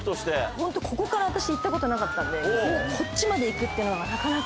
ホントここから私行ったことなかったんでこっちまで行くってのがなかなか。